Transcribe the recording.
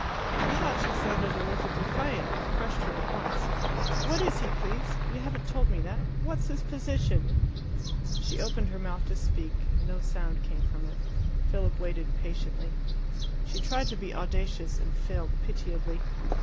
He thought she sounded a little defiant, and crushed her at once. "What is he, please? You haven't told me that. What's his position?" She opened her mouth to speak, and no sound came from it. Philip waited patiently. She tried to be audacious, and failed pitiably.